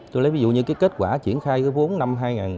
tôi lấy ví dụ như cái kết quả triển khai cái vốn năm hai nghìn một mươi chín